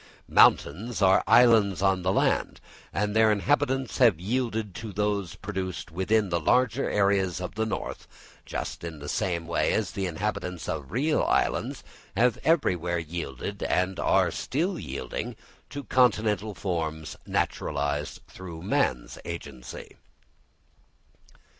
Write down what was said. Mountains are islands on the land; and their inhabitants have yielded to those produced within the larger areas of the north, just in the same way as the inhabitants of real islands have everywhere yielded and are still yielding to continental forms naturalised through man's agency.